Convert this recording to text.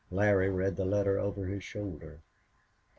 Larry read the letter over his shoulder.